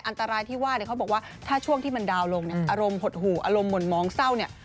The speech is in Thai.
อันตรายที่ว่าเนี่ยเขาบอกว่าถ้าช่วงที่มันดาวนลงเนี่ยอารมณ์หดหู่อารมณ์ห่นมองเศร้าเนี่ย